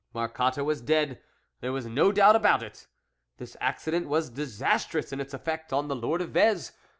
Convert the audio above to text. Marcotte was dead ; there was no doubt about it ! This accident was disas trous in its effect on the Lord of Vez.